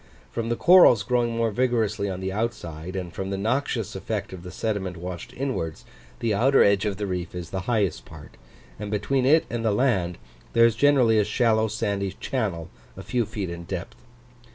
From the corals growing more vigorously on the outside, and from the noxious effect of the sediment washed inwards, the outer edge of the reef is the highest part, and between it and the land there is generally a shallow sandy channel a few feet in depth.